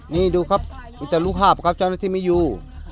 นี่ดูครับมีแต่รูปภาพครับเจ้าหน้าที่ไม่อยู่